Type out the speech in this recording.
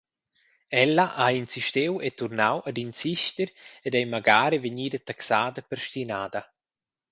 Ella ha insistiu e turnau ad insister ed ei magari vegnida taxada per stinada.